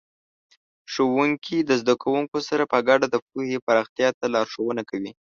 ښوونکي د زده کوونکو سره په ګډه د پوهې پراختیا ته لارښوونه کوي.